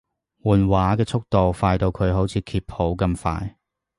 換畫嘅速度快到好似佢揭譜咁快